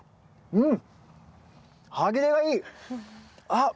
うん！